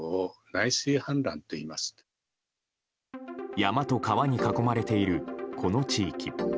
山と川に囲まれているこの地域。